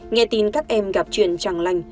nghe tin các em gặp truyền tràng lành